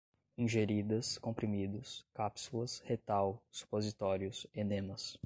ingeridas, comprimidos, cápsulas, retal, supositórios, enemas